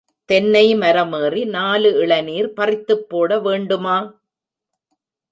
தென்ன மரமேறி நாலு இளநீர் பறித்துப்போட வேண்டுமா?